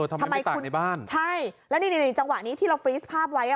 ทำไมไม่ตากในบ้านใช่แล้วนี่นี่นี่จังหวะนี้ที่เราฟรีสภาพไว้อ่ะ